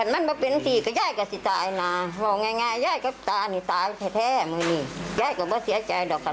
แม่ตายนี่ตายแท้มึงนี่แย่ก็ไม่เสียใจหรอกค่ะ